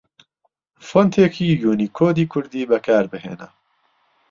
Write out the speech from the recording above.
فۆنتێکی یوونیکۆدی کوردی بەکاربهێنە